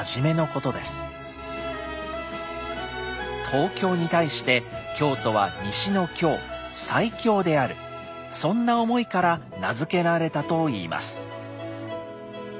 東京に対して京都は西の京「西京」であるそんな思いから名付けられたといいます。